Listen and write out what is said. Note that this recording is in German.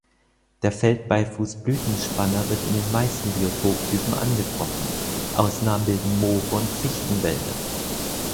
Der Feldbeifuß-Blütenspanner wird in den meisten Biotoptypen angetroffen, Ausnahmen bilden Moore und Fichtenwälder.